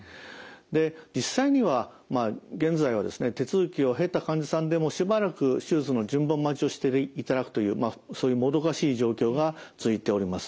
で実際には現在はですね手続きを経た患者さんでもしばらく手術の順番待ちをしていただくというそういうもどかしい状況が続いております。